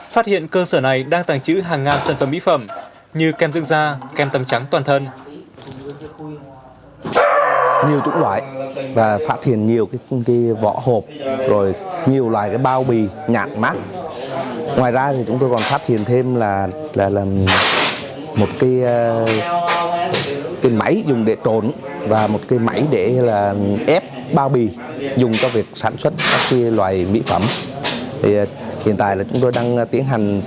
phát hiện cơ sở này đang tàng trữ hàng ngàn sản phẩm mỹ phẩm như kem dưỡng da kem tầm trắng toàn thân